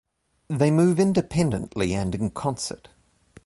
They move independently and in concert.